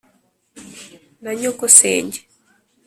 ya nyogosenge